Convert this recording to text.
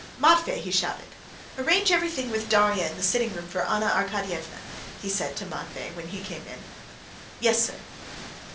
"Matvey!" he shouted. "Arrange everything with Darya in the sitting room for Anna Arkadyevna," he said to Matvey when he came in. "Yes, sir."